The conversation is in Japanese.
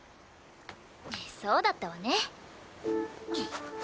そうだったわね。